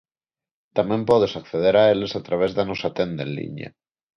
Tamén podes acceder a eles a través da nosa tenda en liña.